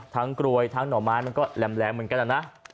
ทั้งกลวยทั้งหน่อไม้มันก็แหลมแหลมเหมือนกันนะ